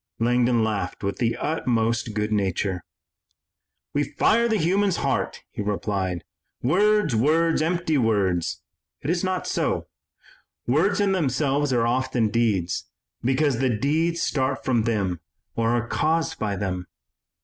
Langdon laughed with the utmost good nature. "We fire the human heart," he replied. "'Words, words, empty words,' it is not so. Words in themselves are often deeds, because the deeds start from them or are caused by them.